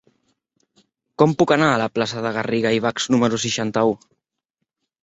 Com puc anar a la plaça de Garriga i Bachs número seixanta-u?